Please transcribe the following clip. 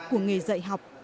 của nghề dạy học